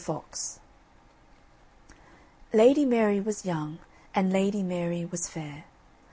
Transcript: FOX Lady Mary was young, and Lady Mary was fair.